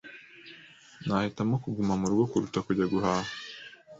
Nahitamo kuguma murugo kuruta kujya guhaha.